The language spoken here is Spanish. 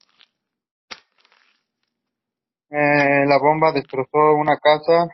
La bomba destrozó una casa en Florence e hirió a cinco habitantes.